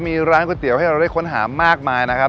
มีร้านก๋วยเตี๋ยวให้เราได้ค้นหามากมายนะครับ